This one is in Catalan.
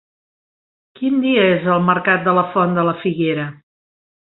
Quin dia és el mercat de la Font de la Figuera?